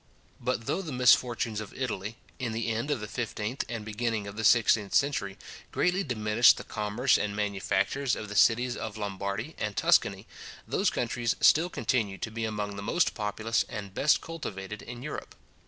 But though the misfortunes of Italy, in the end of the fifteenth and beginning of the sixteenth centuries, greatly diminished the commerce and manufactures of the cities of Lombardy and Tuscany, those countries still continue to be among the most populous and best cultivated in Europe.